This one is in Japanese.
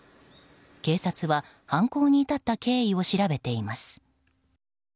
警察は犯行に至った経緯を調べています。